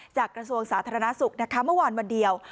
กระทรวงสาธารณสุขนะคะเมื่อวานวันเดียว